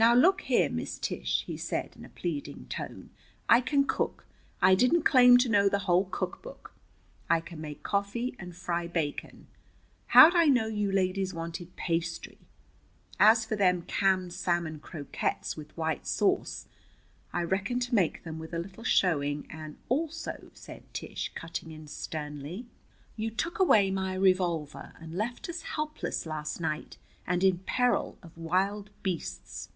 "Now, look here, Miss Tish," he said in a pleading tone, "I can cook. I didn't claim to know the whole cookbook. I can make coffee and fry bacon. How'd I know you ladies wanted pastry? As for them canned salmon croquettes with white sauce, I reckon to make them with a little showing, and " "Also," said Tish, cutting in sternly, "you took away my revolver, and left us helpless last night, and in peril of wild beasts."